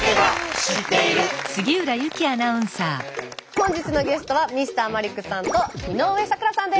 本日のゲストはＭｒ．マリックさんと井上咲楽さんです。